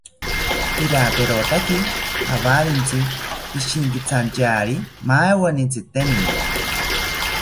Piraperotaki jawarintzi, pishintzitantyari maaweni tzitenini